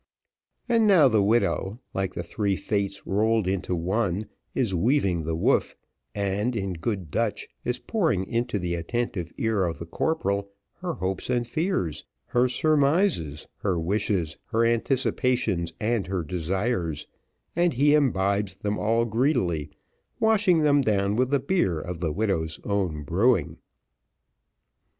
And now the widow, like the three fates rolled into one, is weaving the woof, and, in good Dutch, is pouring into the attentive ear of the corporal her hopes and fears, her surmises, her wishes, her anticipations, and her desires and he imbibes them all greedily, washing them down with the beer of the widow's own brewing.